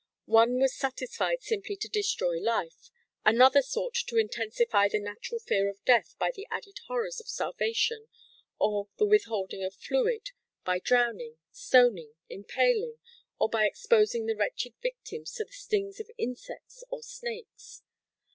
One was satisfied simply to destroy life; another sought to intensify the natural fear of death by the added horrors of starvation or the withholding of fluid, by drowning, stoning, impaling or by exposing the wretched victims to the stings of insects or snakes.